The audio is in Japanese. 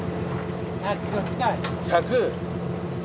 １００！？